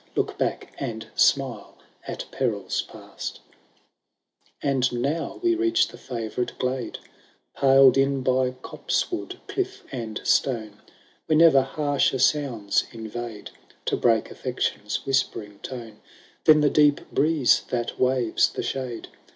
Look back, and smile at perils past ! III. And now we reach the favourite glade, Paled in by copsewood, cliff, and stone, Where never harsher sounds invade. To break affection*s whispering tone. Than the deep breeze that waves the shade.